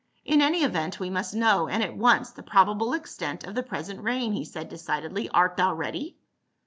" In any event we must know, and at once, the probable extent of the present reign," he said decidedly. "Art thou ready?"